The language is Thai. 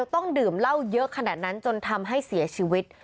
ต้องดื่มเหล้าเยอะขนาดนั้นจนทำให้เสียชีวิต